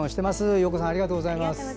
洋子さんありがとうございます。